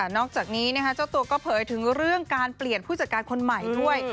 นอกจากนี้เจ้าตัวก็เผยถึงเรื่องการเปลี่ยนผู้จัดการคนใหม่ด้วย